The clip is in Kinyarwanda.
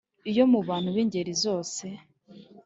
Iyo mu bantu b’ingeri zose